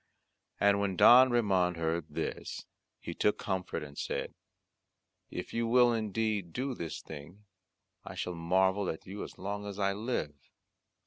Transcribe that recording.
And when Don Ramond heard this, he took comfort and said, "If you will indeed do this thing I shall marvel at you as long as I live."